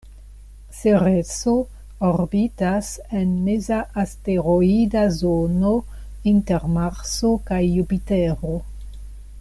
Cereso orbitas en meza asteroida zono, inter Marso kaj Jupitero.